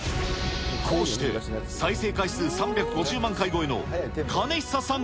こうして、再生回数３５０万回超えのかねひささん